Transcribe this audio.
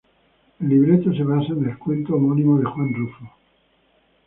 El libreto se basa en el cuento homónimo de Juan Rulfo.